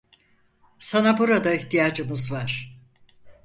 Sana burada ihtiyacımız var.